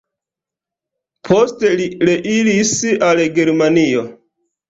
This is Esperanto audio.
Poste li reiris al Germanio.